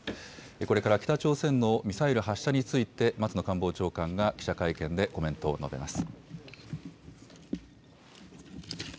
これから北朝鮮のミサイル発射について、松野官房長官が記者会見でコメントを述べます。